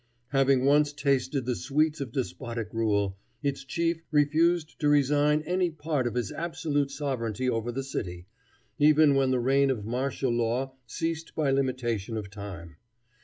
Having once tasted the sweets of despotic rule, its chief refused to resign any part of his absolute sovereignty over the city, even when the reign of martial law ceased by limitation of time.